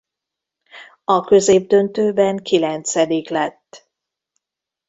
A középdöntőben kilencedik lett.